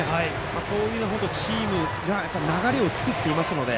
こういうのは、チームが流れを作っていますので。